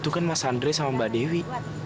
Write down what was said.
itu kan mas andre sama mbak dewi